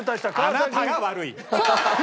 あなたが悪い。